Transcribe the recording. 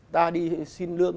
ta đi xin lương